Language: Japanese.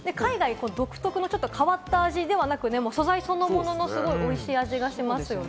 海外独特の変わった味ではなく、素材そのもののおいしい味がしますよね。